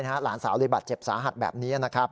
หลานสาวเลยบาดเจ็บสาหัสแบบนี้นะครับ